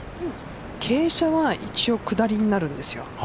傾斜は一応、下りになるんです。